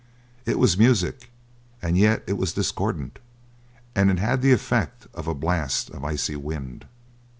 It was music, and yet it was discordant, and it had the effect of a blast of icy wind.